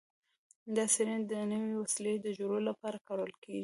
دا څیړنه د نوې وسیلې د جوړولو لپاره کارول کیږي.